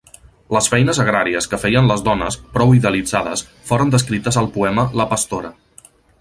Les feines agràries que feien les dones, prou idealitzades, foren descrites al poema La pastora.